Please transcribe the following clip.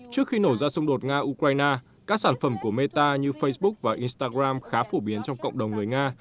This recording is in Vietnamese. trước khi nổ ra xung đột nga ukraine các sản phẩm của meta như facebook và instagram khá phổ biến trong cộng đồng người nga